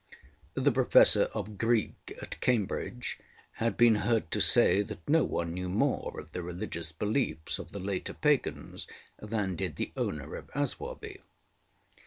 The Professor of Greek at Cambridge had been heard to say that no one knew more of the religious beliefs of the later pagans than did the owner of Aswarby.